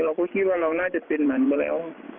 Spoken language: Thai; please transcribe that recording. เราก็คิดว่าเราน่าจะเป็นมันมาแล้ว